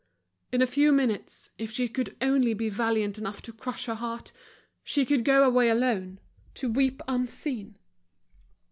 In a few minutes, if she could only be valiant enough to crush her heart, she could go away alone, to weep unseen.